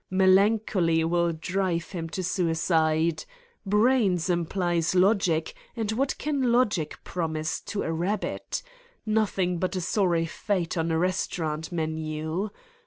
Melancholy will drive him to suicide. Brains implies logic and what can logic promise to a rabbit? Nothing but a sorry fate on a restaurant menu.